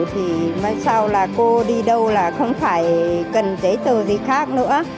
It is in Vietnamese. thì mới sao là cô đi đâu là không phải cần giấy tờ gì khác nữa